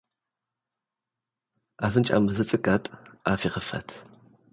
ኣፍንጫ ምስ ዝጽቀጥ፡ ኣፍ ይኽፈት።